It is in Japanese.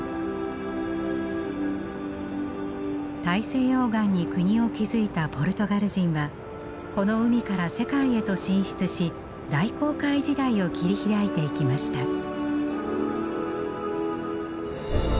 大西洋岸に国を築いたポルトガル人はこの海から世界へと進出し大航海時代を切り開いていきました。